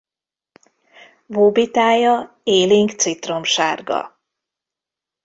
Bóbitája élénk citromsárga.